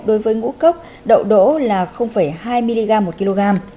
đối với ngũ cốc đậu đỗ là hai mg một kg